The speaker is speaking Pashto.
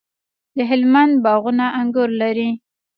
د هلمند باغونه انګور لري.